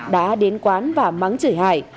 đã đến quán và mắng chửi hải